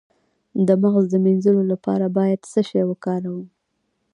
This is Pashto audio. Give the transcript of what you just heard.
د مغز د مینځلو لپاره باید څه شی وکاروم؟